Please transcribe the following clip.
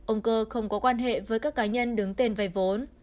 ông cơ không có quan hệ với các cá nhân đứng tên vay vốn